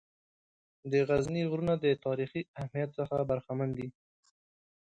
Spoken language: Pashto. د غزني غرونه د تاریخي اهمیّت څخه برخمن دي.